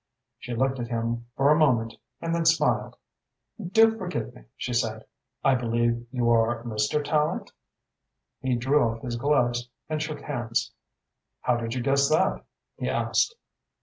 She looked at him for a moment and then smiled. "Do forgive me," she said. "I believe you are Mr. Tallente?" He drew off his gloves and shook hands. "How did you guess that?" he asked.